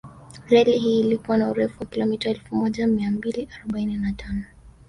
Reli hii ilikuwa na urefu wa kilomita Elfu moja mia mbili arobaini na tano